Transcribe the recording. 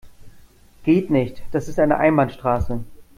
Geht nicht, das ist eine Einbahnstraße.